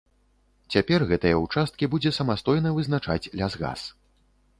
Цяпер гэтыя ўчасткі будзе самастойна вызначаць лясгас.